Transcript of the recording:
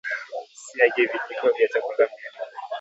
siagi vijiko vya chakula mbili